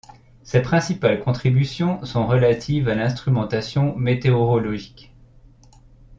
Ses principales contributions sont relatives à l'instrumentation météorologique.